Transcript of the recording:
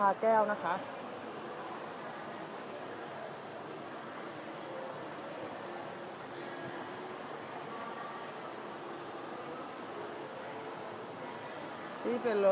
เดี๋ยวจะให้ดูว่าค่ายมิซูบิชิเป็นอะไรนะคะ